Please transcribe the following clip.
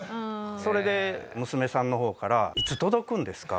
それで娘さんの方からいつ届くんですか？